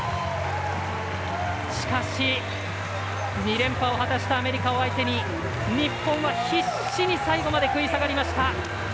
しかし２連覇を果たしたアメリカを相手に日本は必死に最後まで食い下がりました。